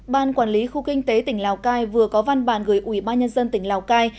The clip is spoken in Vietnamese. ban quản lý khu kinh tế tỉnh lào cai vừa có văn bản gửi ủy ban nhân dân tỉnh lào cai